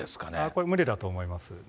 これは無理だと思います。